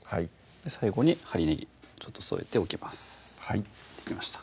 最後に針ねぎちょっと添えておきますできました